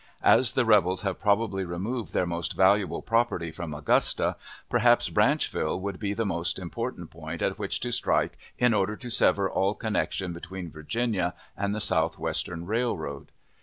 As the rebels have probably removed their most valuable property from Augusta, perhaps Branchville would be the most important point at which to strike in order to sever all connection between Virginia and the Southwestern Railroad.